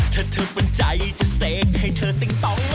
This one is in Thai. ถ้าเธอปัญญายังจะเสกให้เธอติ้งต้อง